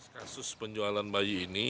kasus penjualan bayi ini